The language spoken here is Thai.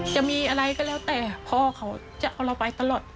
จะมีอะไรก็แล้วแต่พ่อเขาจะเอาเราไปตลอด